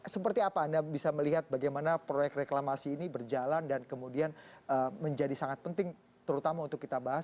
seperti apa anda bisa melihat bagaimana proyek reklamasi ini berjalan dan kemudian menjadi sangat penting terutama untuk kita bahas